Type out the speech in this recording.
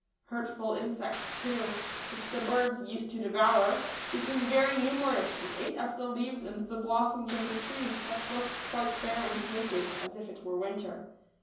Hurt ful insects, too, which the birds used to devour, became very numerous, and ate up the leaves and the blossoms of the trees, that looked quite bare and naked, as if it were winter.